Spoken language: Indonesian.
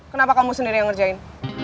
kenapa kamu sendiri yang ngerjain